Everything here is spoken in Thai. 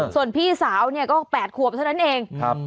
ส่วนพี่สาวเนี่ยก็๘ขวบเท่านั้นเอง